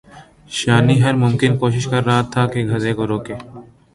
شانی ہر ممکن کوشش کر رہا تھا کہ گدھے کو روکے